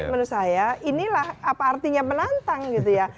jadi menurut saya inilah apa artinya menantang gitu ya